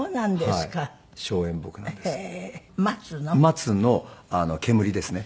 松の煙ですね。